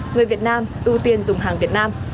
người việt nam ưu tiên dùng hàng việt nam